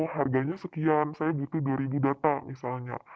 harganya sekian saya butuh dua ribu data misalnya